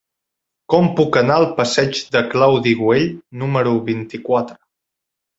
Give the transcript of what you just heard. Com puc anar al passeig de Claudi Güell número vint-i-quatre?